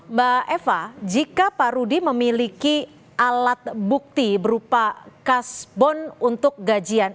mbak eva jika pak rudi memiliki alat bukti berupa kasbon untuk gajian